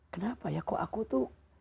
kenapa ya kok aku tuh